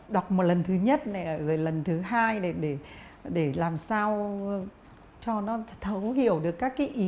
đọc một lần thứ nhất rồi lần thứ hai để làm sao cho nó thấu hiểu được các ý